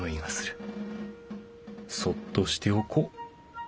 そっとしておこう。